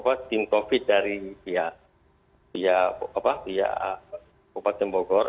mbak tim covid dari ya ya apa ya bupat jembogor